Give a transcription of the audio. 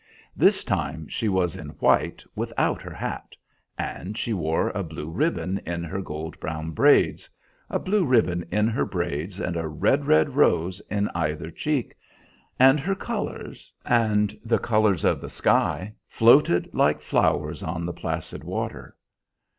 This time she was in white, without her hat, and she wore a blue ribbon in her gold brown braids, a blue ribbon in her braids, and a red, red rose in either cheek; and her colors, and the colors of the sky, floated like flowers on the placid water.